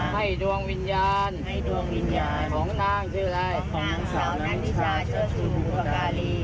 ให้ดวงวิญญาณของนางซ์จะช่วยบุคคาลี